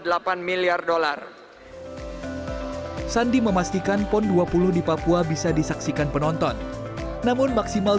dan pemerintah sangat mendorong kontribusi ekonomi digital